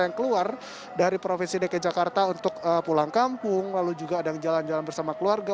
yang keluar dari provinsi dki jakarta untuk pulang kampung lalu juga ada yang jalan jalan bersama keluarga